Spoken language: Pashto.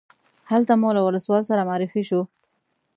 هلته مو له ولسوال سره معرفي شوو.